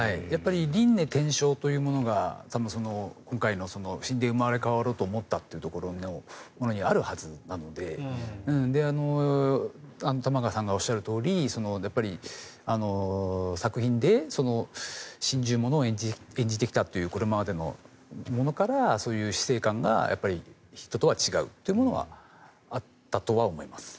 輪廻転生というものが今回の死んで生まれ変わろうと思ったというところにあるはずなので玉川さんがおっしゃるとおり作品で心中物を演じてきたというこれまでのものからそういう死生観が人とは違うというものがあったとは思います。